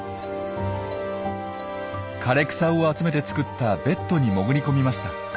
枯れ草を集めて作ったベッドに潜り込みました。